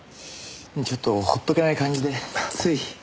ちょっと放っとけない感じでつい。